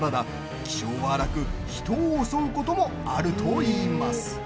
気性は荒く人を襲うこともあるといいます。